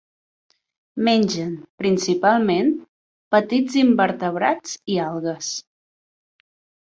Mengen, principalment, petits invertebrats i algues.